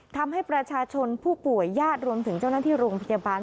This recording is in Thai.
ทำให้ประชาชนผู้ป่วยญาติรวมถึงเจ้าหน้าที่โรงพยาบาล